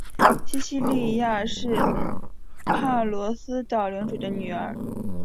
西西莉亚是帕罗斯岛领主的女儿。